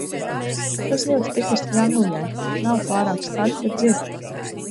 Tas ļoti tipiski Anglijai. Nav pārāk skaļi, bet dzird.